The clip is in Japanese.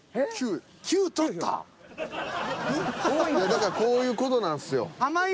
だからこういう事なんですよ。